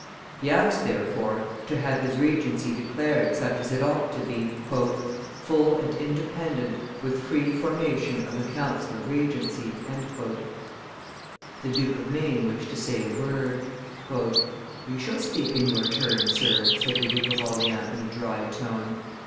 He asked, therefore, to have his regency declared such as it ought to be, "full and independent, with free formation of the council of regency." The Duke of Maine wished to say a word. "You shall speak in your turn, Sir," said the Duke of Orleans in a dry tone.